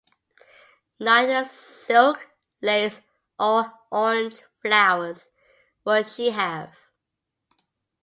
Neither silk, lace, nor orange-flowers would she have.